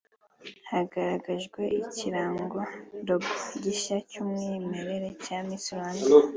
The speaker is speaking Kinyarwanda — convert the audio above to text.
Hanagaragajwe ikirango(logo) gishya cy'umwimerere cya Miss Rwanda